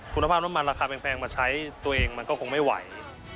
คุณภาพน้ำมันราคาแพงมาใช้ตัวเองมันก็คงไม่ไหว